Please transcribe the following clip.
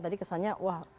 tadi kesannya wah